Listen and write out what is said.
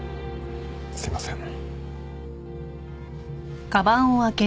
すいません。